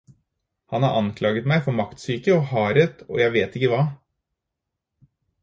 Han har anklaget meg for maktsyke og hardhet og jeg vet ikke hva.